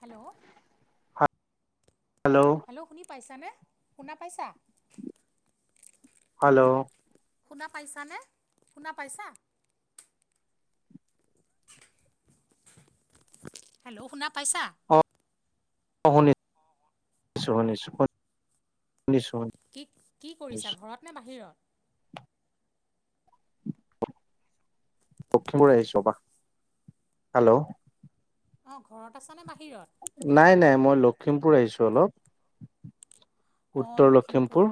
Hello. Hello. Hello, শুনি পাইছানে শুনা পাইছা? হেল্ল শুনা পাইছানে, শুনা পাইছা? হেল্ল শুনা পাইছা? অঁ শুনি শুনিছো শুনিছো শুনিছো। কি কি কৰিছা ঘৰত নে বাহিৰত? লখিমপুৰ আহিছো ৰবা, হেল্ল অঁ ঘৰত আছানে বাহিৰত? নাই নাই মই লখিমপুৰ আহিছোঁ অলপ। উত্তৰ লখিমপুৰ।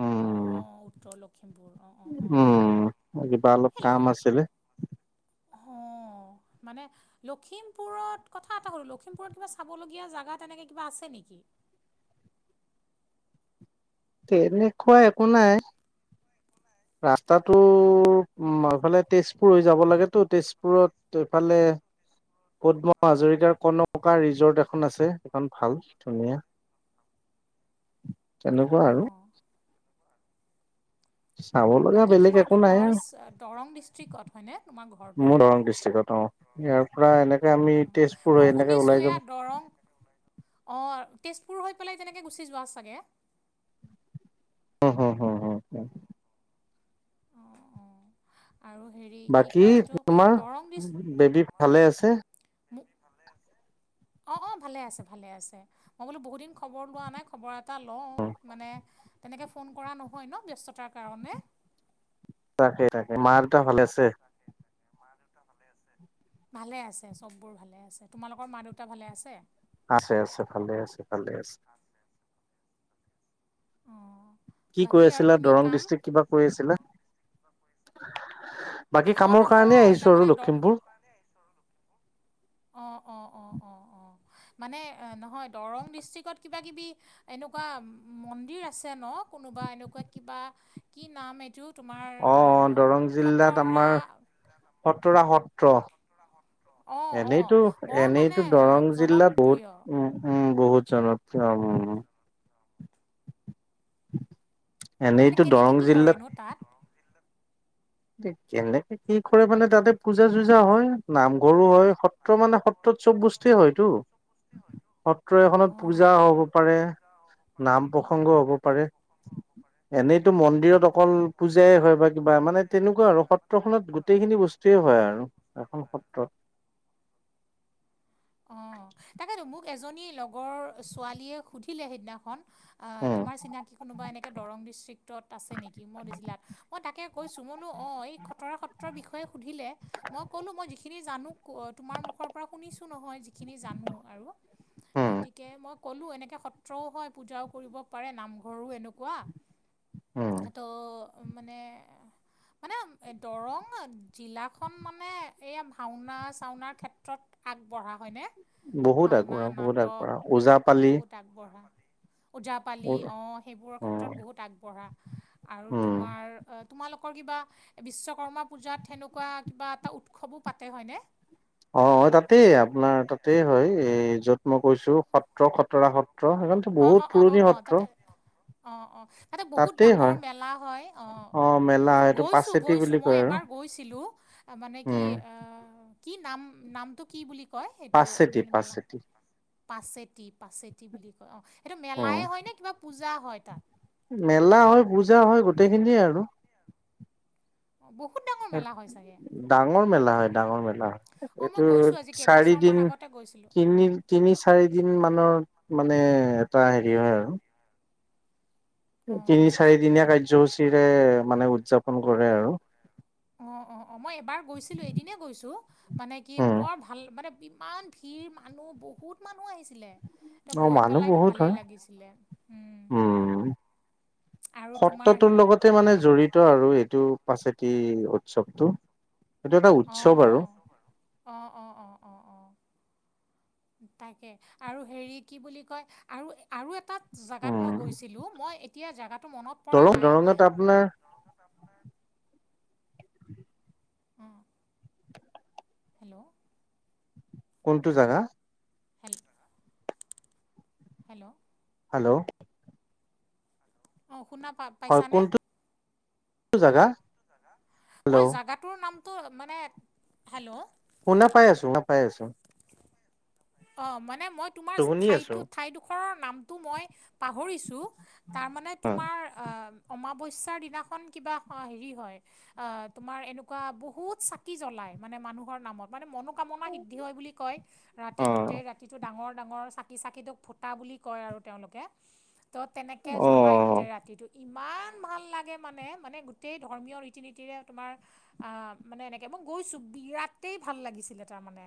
উম অঁ উত্তৰ লখিমপুৰ অঁ অঁ অঁ উম, কিবা অলপ হেল্ল' কাম আছিলে। অঁ, মানে লখিমপুৰত কথা এটা হ'ল লখিমপুৰত কিবা চাবলগীয়া জেগা তেনেকে কিবা আছে নেকি? তেনেকুৱা একো নাই, ৰাস্তাটো উম অঁ এফালে তেজপুৰ হৈ যাব লাগেতো তেজপুৰত এইফালে পদ্ম হাজৰিকাৰ কনকা ৰিজৰ্ট এখন আছে এখন ভাল ধুনীয়া। তেনেকুৱা আৰু। অঁ চাব লগা বাকী বেলেগ তোমাৰতো একো নাই ঘৰ আৰু, চ- দৰং ডিষ্ট্ৰিক্টত হয়নে তোমাৰ ঘৰটো? মোৰ দৰং ডিষ্ট্ৰিক্টত অ'। ইয়াৰ পৰা এনেকে আমি অ', তেজপুৰ মই হৈ এনেকে শুনিছোঁ ওলাই এয়া যাম। দৰং অ' তেজপুৰ হৈ পেলাই তেনেকে গুচি যোৱা চাগে। অ' হ' হ'। অ', অ'। আৰু হেৰি কি বাকী কয় এইটো তোমাৰ দৰং বেবী ভালে আছে ডিষ্ট্ৰিক্ট, ম অ', অ', ভালে আছে, ভালে আছে। মই বোলো বহুত দিন খবৰ লোৱা নাই খবৰ এটা লওঁ মানে তেনেকৈ ফোন কৰা নহয় ন ব্যস্ততাৰ কাৰণে। তাকে তাকে মা দেউতা ভালে আছে? তাকে মা দেউতা ভালে? ভালে আছে চববোৰ ভালে আছে, তোমালোকৰ মা দেউতা ভালে আছে? আছে আছে, ভালে আছে, ভালে আছে। অ'। কি কৈ বাকী আৰু আছিলা তুমি দৰং কাম? ডিষ্ট্ৰিক কিবা কৈ আছিলা? বাকী কামৰ কাৰণেই আহিছোঁ আৰু লখিমপুৰ। কাৰণে আহিছোঁ আৰু অ', অ', অ', অ', অ', মানে নহয় দৰং ডিষ্ট্ৰিকত কিবা কিবি এনেকুৱা মন্দিৰ আছে ন কোনোবা এনেকুৱা কিবা কি নাম এইটো তোমাৰ অ আ অ খটৰা খটৰা সত্ৰ। [unintelligible] অ এনেইতো বৰ মানে এনেইতো আহ, দৰং জিলা বহুত জনপ্ৰিয় উম, উম বহুত জানো। [unintelligible] মানে এনেইতো দৰং কেনেকে কি জিলাত কৰেনো তাত? কেনেকে কি কৰে মানে তাতে পূজা চুজা হয়, নামঘৰো হয়, সত্ৰ মানে সত্ ত্ৰত চ'ব বস্তুৱেই হয়টো। সত্ৰ এখনত পূজা অঁ হ'ব পাৰে, নাম প্ৰসংগ হ'ব পাৰে। এনেইতো মন্দিৰত অকল পূজাই হয় বা কিবা মানে তেনেকুৱা আৰু সত্ৰখনত গোটেইখিনি বস্তুৱয়ে হয় আৰু, এখন সত্ৰত। অ', তাকেতো মোক এজনী লগৰ ছোৱালীয়ে সুধিলে সেইদিনাখন। আ, উম তোমাৰ চিনাকি কোনোবা এনেকে দৰং ডিষ্ট্ৰিক্টত আছে নেকি মোৰ জিলাত অ', তাকে কৈছো মইনো অ', এই খতৰা সত্ৰৰ বিষয়ে সুধিলে মই ক'লো মই যিখিনি জানোঁ ক-তোমাৰ মুখৰ পৰা শুনিছোঁ নহয় যিখিনি জানোঁ আৰু। উম গতিকে মই ক'লোঁ এনেকে সত্ৰও হয়, পূজাও কৰিব পাৰে নামঘৰো এনেকুৱা উম সেত মানে মানে দৰং জিলাখন মানে এইয়া ভাওঁনা চাওঁনাৰ ক্ষেত্ৰত আগবঢ়া হয়নে, বহুত ভাওনা আগবঢ়া বহুত আগবঢ়া নাটক ওজাপালি বহুত আগবঢ়া ওজাপালি উম অ', সেইবোৰৰ ক্ষেত্ৰত বহুত আগবঢ়া। আৰু উম তোমাৰ, তোমালোকৰ কিবা বিশ্বকৰ্মা পূজাত সেনেকুৱা কিবা এটা উৎসৱো পাতে হয়নে? অ', অ', তাতেই আপোনাৰ তাতেই হয় এই য'ত মই কৈছো সত সত্ৰ খতৰা সত্ৰ, সেইখনতো বহুত পুৰণি সত্ৰ। অ', অ', তাতে বহুত তাতেই ডাঙৰ হয় মেলা হয় অ'। মেলা হয়, এইটো গৈছোঁ পাচেতি বুলি গৈছোঁ কয় মই আৰু এবাৰ গৈছিলোঁ, মানে কি উম আ কি নাম নামটো কি বুলি কয় সেইটো পাচেতি মানে মেলা পাচেতি পাছেতি, পাছেতি বুলি কয় অ', সেইটো উম মেলাই হয়নে কিবা পূজা হয় তাত? মেলা হয়, পূজা হয়, গোটেই খিনিয়ে আৰু। বুক ডাঙৰ মেলা হয় ডাঙৰ মেলা, অঁ মই গৈছোঁ এইটোত আজি কেইবছৰমান চাৰিদিন আগতে গৈছিলোঁ অঁ তিনদিন তিনি চাৰিদিন মানৰত মানে এটা হেৰি হয় আৰু। অঁ তিনি চাৰি দিনীয়া কাৰ্যসূচীৰে মানে উদযাপন কৰে আৰু। অ', অ', অ', মই এবাৰ গৈছিলোঁ এদিনেই গৈছোঁ মানে কি উম বৰ ভাল, মানে ইমান ভিৰ মানুহ বহুত মানুহ আহিছিলে। ত অ', গৈ মানুহ পেলাইতো বহুত ভালেই হয়, লাগিছিলে উম উম। আৰু তোমাৰ সত্ৰটোৰ হেৰিত লগতে গৈ মানে জড়ি ত আৰু এইটো পাচেতি উৎসৱটো, এইটো এটা উৎসৱ আৰু। অ', অ', অ', অ', অ'। তাকে আৰু হেৰি কি বুলি কয় আৰু আৰু এটা জেগাত উম মই গৈছিলোঁ, মই এতিয়া জেগাটো মনত পৰা দৰং নাই দৰঙত আপোনাৰ অঁ হেল্ল'। কোনটো জাগা? হেল [inaudible] হেল্ল'। হেল্ল'? অ', শুনা পা হয় কোনটো হয় জাগা কোনটো জাগা? হেল্ল' মই জাগাটোৰ নামটো মানে, হেল্ল'? শুনা পাই আছোঁ, নাপাই আছোঁ। [inaudible] অ', মানে মই তোমাৰ শুনি আছো ঠাইটো ঠাইডোখৰৰ নামটো মই পাহৰিছোঁ। তাৰমানে অ তোমাৰ আ, অমাৱস্যাৰ দিনাখন কিবা স-হেৰি হয়। অ', তোমাৰ এনেকুৱা বহুত চাকি জ্বলাই, মানে মানুহৰ নামত। মানে মনোকামনা সিদ্ধি হয় বুলি কয়, অ ৰাতি গ ৰাতিটো ডাঙৰ-ডাঙৰ চাকি-চাকি তুক ভুটা বুলি কয় আৰু তেওঁলোকে। তো, তেনেকে অ জ্বলাই গোটেই ৰাতিটোত। ইমান ভাল লাগে মানে, মানে গোটেই ধৰ্মীয় ৰীতি-নীতিৰে তোমাৰ আহ, মানে এনেকে মই গৈছো বিৰাতেই ভাল লাগিছিল তাৰ মানে।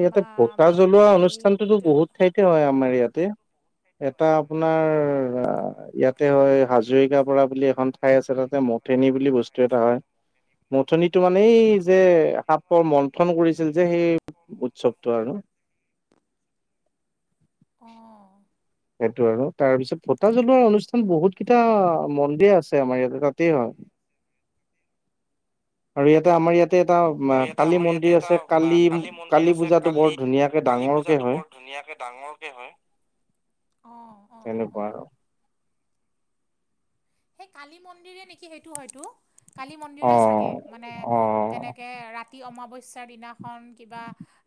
ইয়াতে পতা জ্বলোৱা অনুষ্ঠানটোতো হেৰিত বহুত ঠাইত হয় আমাৰ ইয়াতে, এটা আপোনাৰ ইয়াতে হয় হা হাজৰিকা পৰা বুলি এখন ঠাই আছে তাতে মথেনী বুলি বস্তু এটা হয়। মথনিতো মানে এই যে সাপৰ মন্থন কৰিছিল যে সেই উৎসৱটো আৰু অঁ'। সেইটো আৰু, তাৰ পিছত ভটা জ্বলোৱা অনুষ্ঠান বহুত কেইটা মন্দিৰ আছে আমাৰ ইয়াতে তাতেই হয়। [inaudible] আৰু ইয়াতে আমাৰ ইয়াত তাতে অঁ এটা কালি মন্দিৰ আছে। আ, কালি-কালি পূজাটো বৰ ধুনীয়াকে ডাঙৰ কে হয়। ধুনীয়াকে ডাঙৰকে হয়। অঁ! অঁ অঁ অঁ তেনেকুৱা অঁ আৰু। সেই কালি মন্দিৰে নেকি সেইটো হয়তো কালি অ মন্দিৰে চাগে মানে অ তেনেকে ৰাতি অমাৱস্যাৰ দিনাখন কিবা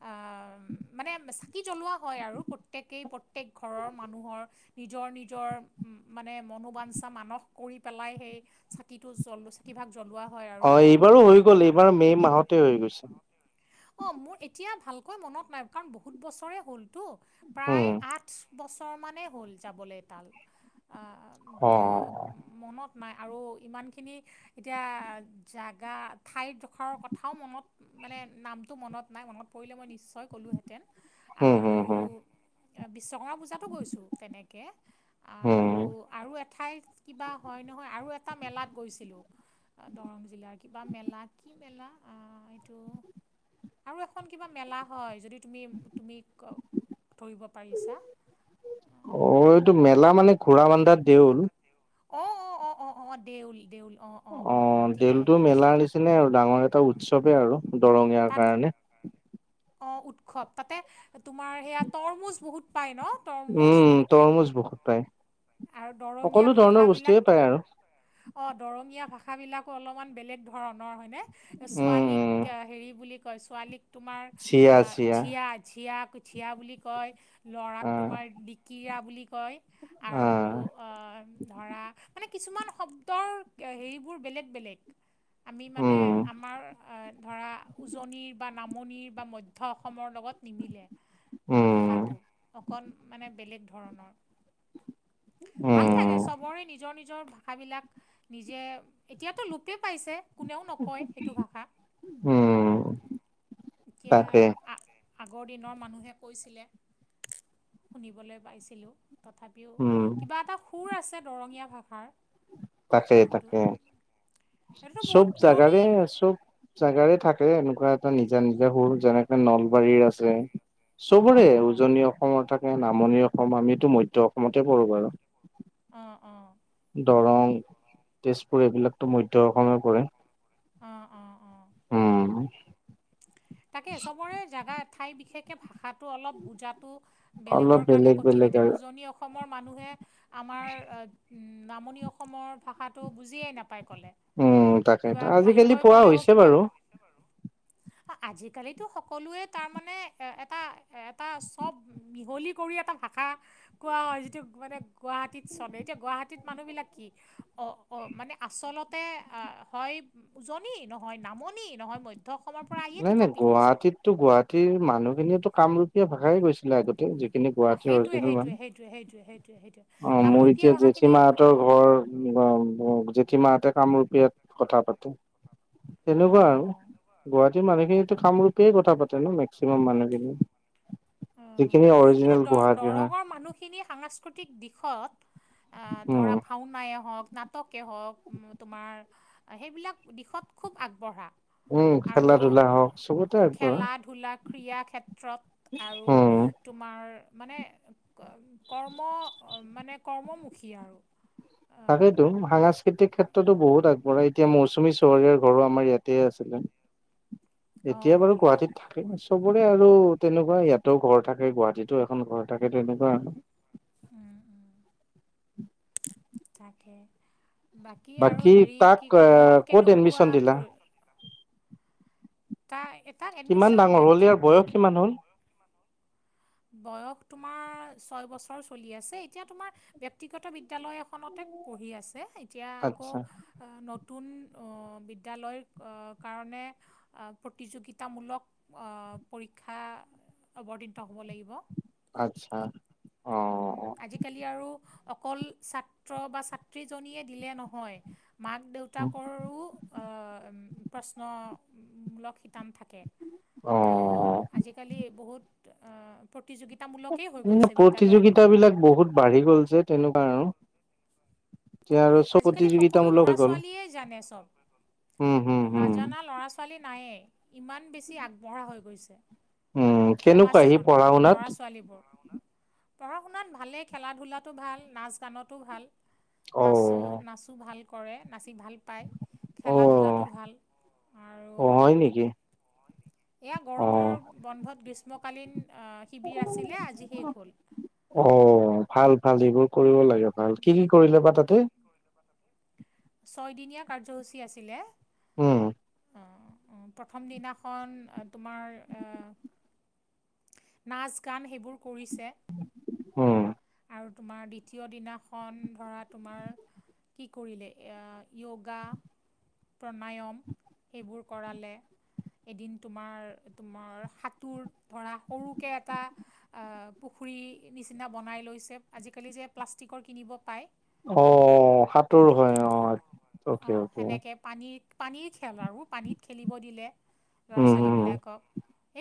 আহ মানে চাকি জ্বলোৱা হয় আৰু প্ৰত্যেকেই-প্ৰত্যেক ঘৰৰ মানুহৰ। নিজৰ-নিজৰ মানে মনোবাঞ্ছা মানস কৰি পেলাই সেই চাকিটো জ্বলো চাকি ভাগ জ্বলোৱা হয় আৰু অ এইবাৰো ভগৱানৰ হৈ গ'ল এইবাৰ নামত। মে' মাহতে হৈ গৈছে [unintelligible] অঁ! মোৰ এতিয়া ভালকৈ মনত নাই কাৰণ বহুত বছৰে হ'লতো। প্ৰায় উম আঠ বছৰমানেই হ'ল যাবলৈ তাল আহ অ তো মনত নাই আৰু ইমানখিনি এতিয়া জাগা ঠাইৰডোখৰৰ কথাও মনত মানে নামটো মনত নাই। মনত পৰিলে মই নিশ্চয় ক'লোঁহেঁতেন। হুম হুম আৰু হুম বিশ্বকৰ্মা পূজাতো গৈছোঁ তেনেকে। হুম আৰু-আৰু এঠাইত কিবা হয় নহয়, আৰু এটা মেলাত গৈছিলোঁ। দৰং জিলাৰ কিবা মেলা কি মেলা আহ এইটো আৰু এখন কিবা মেলা হয় যদি তুমি-তুমি ধৰিব পাৰিছা। অ! এইটো মেলা মানে ঘোৰা বান্ধা দেউল [unintelligible] অঁ-অঁ-অঁ-অঁ-অঁ দেউল-দেউল অঁ! অঁ! দেউলটো মেলা নিচিনা আৰু ডাঙৰ এটা উৎসৱে আৰু দৰঙীয়াৰ কাৰণে। অঁ! উৎসৱ তাতে তোমাৰ সেয়া তৰমুজ বহুত পায় ন? তৰমুজ [unintelligible] উম তৰমুজ বহুত পায় আৰু সকলো দৰঙীয়া ধৰণৰ বস্তুয়ে ভাষাবিলাক। পায় আৰু অঁ! দৰঙীয়া ভাষাবিলাকো অলপমান বেলেগ ধৰণৰ হয়নে। উম উম ছোৱালীক হেৰি বুলি কয়, ছোৱালীক তোমাৰ চিয়া চিয়া যিয়া-যিয়া যিয়া বুলি কয়, ল'ৰাক আহ তোমাৰ দিকীৰা বুলি কয়, আৰু আহ অঁ! ধৰা মানে কিছুমান শব্দৰ হেৰিবোৰ বেলেগ-বেলেগ। আমি মানে উম আমাৰ ধৰা উজনিৰ বা নামনিৰ বা মধ্য অসমৰ লগত নিমিলে। উম, ভাষাটো অকণ মানে বেলেগ ধৰণৰ। ভাল লাগে উম, চবৰে নিজৰ-নিজ নিজৰ ভাষাবিলাক নিজে, এতিয়াতো লোপেই পাইছে। কোনেও নকয় সেইটো ভাষা। উম, এতিয়া তাকে, আ আগৰ দিনৰ মানুহে কৈছিলে। শুনিবলৈ পাইছিলোঁ, তথাপিও উম, কিবা এটা সুৰ আছে দৰঙীয়া ভাষাৰ। সুৰটো তাকে-তাকে। এইটোতো বহুত চব পুৰণি জেগাৰে চব জেগাৰে থাকে এনেকুৱা এটা নিজা-নিজা সুৰ যেনেকে নলবাৰীৰ আছে। অ চবৰে অ উজনি অসমৰ থাকে, নামনি অসম আমিতো মধ্য অসমতে পৰোঁ বাৰু। অঁ-অঁ! দৰং, তেজপুৰ এইবিলাকতো মধ্য অসমে পৰে। অঁ-অঁ-অঁ! উম! তাকে চবৰে জেগা ঠাই বিশেষকৈ ভাষাটো অলপ বুজাত টো অলপ বেলেগৰ কাৰণে বেলেগ কঠিন। বেলেগ এতিয়া আৰু উজনি অসমৰ মানুহে আমাৰ নামনি অসমৰ ভাষাটো বুজিয়েই নাপ তাই ক'লে, উম, তাকে কিবা আজিকালি ভালকৈ পোৱা ক'লেও হৈছে কিবা বাৰু। আজিকালিতো সকলোৱে তাৰমানে এটা এটা চব মিহলি কৰি এটা ভাষা কোৱা হয় যিটো মানে গুৱাহাটীত চলে এতিয়া গুৱাহাটীত মানুহবিলাক কি অ অ মানে আচলতে আ হয় উজনি নহয় নামনি নহয় মধ্য অসমৰ পৰা আহিয়ে থিতাপি লৈছে। টো গুৱাহাটীৰ মানুহখিনিয়েটো কামৰূপীয়া ভাষাই কৈছিলে আগতে। যিখিনি অ গুৱাহাটীৰ সেইটোয়ে অৰিজিনেল মানুহ। সেইটোয়ে সেইটোয়ে সেইটোয়ে সেইটোয়ে। অ মোৰ এতিয়া জেঠী মাহঁতৰ ঘৰ [unintelligible] জেঠিমাহঁতে কামৰূপীয়াত কথা পাতে, অ তেনেকুৱা আৰু। গুৱাহাটীৰ মানুহখিনিতো কামৰূপেই কথা পাতে ন মেক্সিমাম মানুহখিনি। অ যিখিনি কিন্তু অৰিজিনেল গুৱাহাটীৰ হয় দ-দৰঙৰ মানুহখিনি খিনি সাংস্কৃতিক দিশত আ উম ধৰা ভাওনাই হওক নাটকেই হওক তোমাৰ সেইবিলাক দিশত খুব আগবঢ়া। উম খেলা আৰু ধূলা হওক চবতে আগবঢ়া খেলা ধূলা ক্ৰীড়া ক্ষেত্ৰত আৰু উম তোমাৰ মানে কৰ্ম মানে কৰ্মমুখী আৰু। অ তাকেইতো উম সাংস্কৃতিক ক্ষেত্ৰতো বহুত আগবঢ়া এতিয়া মৌচুমী চহৰীয়াৰ ঘৰো আমাৰ ইয়াতে আছিলে। এতিয়া বাৰু গুৱাহাটীত থাকে চবৰে আৰু তেনেকুৱা ইয়াতো ঘৰ থাকে গুৱাহাটীতো এখন ঘৰ থাকে ত তেনেকুৱা আৰু। উম উম তাকে। বাকী আৰু হেৰি কি কয় গৰম ক'ত কেনেকুৱা এডমিশ্যন দিলা পৰি এটা এটা কিমান ডাঙৰ হ'ল ইয়াৰ বয়স কিমান হ'ল? বয়স তোমাৰ ছয় বছৰ চলি আছে এতিয়া তোমাৰ ব্যক্তিগত বিদ্যালয় এখনতে পঢ়ি আছে এতিয়া আকৌ আচ্ছা অ নতুন বিদ্যালয়ৰ কাৰণে অ প্ৰতিযোগিতামূলক পৰীক্ষা অৱতীৰ্ণ হ'ব লাগিব। আচ্ছা অ। উম আজিকালি আৰু অকল ছাত্ৰ বা ছাত্ৰীজনীয়ে দিলে নহয়। মাক দেউ দেউতাকৰো প্ৰশ্নমূলক শিতান থাকে। অ অ আজি কালি বহুত প্ৰতিযোগিতামূলকে হৈ গৈছে বি প্ৰতিযোগিতাবিলাক বহুত বাঢ়ি গল জে তেনেকুৱা আৰু। এতিয়া আৰু চব আজিকালি সকলো প্ৰতিযোগিতামূলক ল'ৰা হৈ গ'ল ছোৱালীয়ে জানে উম, হম, চব। হম, নাজানা ল'ৰা ছোৱালী নায়েই, ইমান বেছি আগবঢ়া হৈ গৈছে। উম, কেনেকুৱা সি সমাজখন, পঢ়া শুনাত? ল'ৰা ছোৱালীবোৰ। পঢ়া শুনাত ভালেই খেলা ধূলাটো ভাল নাচ গানতো ভাল। নাচোঁ অ', নাচোঁ ভাল কৰে নাচি ভাল পায় খেলা অ', ধূলাটো ভাল আৰু অ', হয় নেকি এয়া গৰমৰ অ', বন্ধত গ্ৰীষ্মকালীন শিবিৰ আছিলে আজি শেষ হ'ল। অ ভাল ভাল এইবোৰ কৰিব লাগে ভাল কি কি কৰিলে বা তাতে? ছয়দিনীয়া কাৰ্যসূচী আছিলে। উম, উম প্ৰথম দিনাখন তোমাৰ অ নাচ, গান সেইবোৰ কৰিছে, উম। আৰু তোমাৰ দ্বিতীয় দিনাখন ধৰা তোমাৰ, কি কৰিলে য়োগা প্ৰণায়ম সেইবোৰ কৰালে। এদিন তোমাৰ, তোমাৰ সাঁতোৰ ধৰা, সৰুকৈ এটা পুখুৰী নিচিনা বনাই লৈছে, আজিকালি যে, প্লাষ্টিকৰ কিনিব পায়। অ', সাঁতোৰ হয় অ', অ'কে, অঁ অ'কে। সেনেকৈ পানীত, পানীৰ খেল আৰু, পানীত খেলিব দিলে। উম, উম, ল'ৰা-ছোৱালীবিলাকক,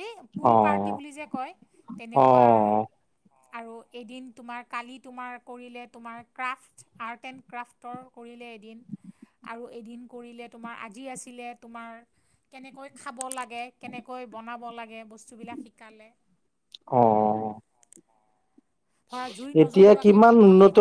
এই পুল পাৰ্টি অ', বুলি যে কয়, তেনেকুৱা আৰু। অ', আৰু এদিন তোমাৰ, কালি তোমাৰ কৰিলে, তোমাৰ ক্ৰাফ্ট, আৰ্ট এণ্ড ক্ৰাফ্ট। তৰ কৰিলে এদিন, আৰু এদিন কৰিলে তোমাৰ আজি, আছিলে তোমাৰ কেনেকৈ খাব লাগে, কেনেকৈ বনাব লাগে, বস্তুবিলাক শিকালে। অ', অ'। ধৰা, জুই এতিয়া নজ্বলোৱাকে কিমান বনোৱা উন্নত খাদ্য।